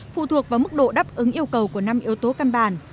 phụ thuộc vào mức độ đáp ứng yêu cầu của năm yếu tố căn bản